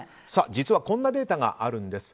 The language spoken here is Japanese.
実はこんなデータがあるんです。